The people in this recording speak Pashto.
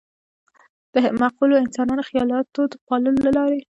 د معقولو انساني خيالاتو د پاللو له لارې.